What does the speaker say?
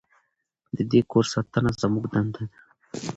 د دې کور ساتنه زموږ دنده ده.